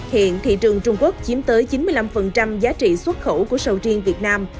hiện thị trường trung quốc chiếm tới chín mươi năm giá trị xuất khẩu của sầu riêng việt nam